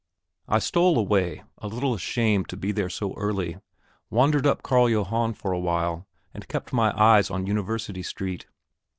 I stole away, a little ashamed to be there so early, wandered up Carl Johann for a while, and kept my eyes on University Street.